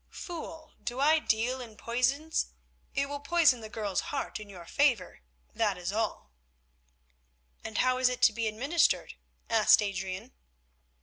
"Fool, do I deal in poisons? It will poison the girl's heart in your favour, that is all." "And how is it to be administered?" asked Adrian.